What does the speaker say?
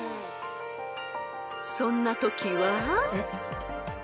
［そんなときは］